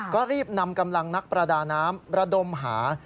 ก็รีบนำกำลังนักประดาน้ำระดมหา